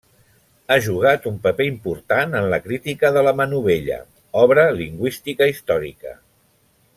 Ha jugat un paper important en la crítica de la manovella obra lingüística històrica.